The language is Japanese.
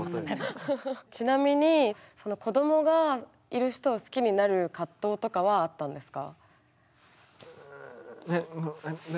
ちなみに子どもがいる人を好きになる葛藤とかはあったんですか？